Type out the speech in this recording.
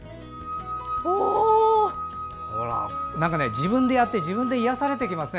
自分でやって自分で癒やされてきますね